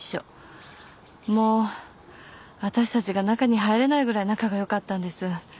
もうわたしたちが中に入れないぐらい仲が良かったんです。